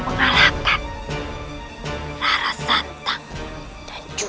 kulihkan tenagamu dulu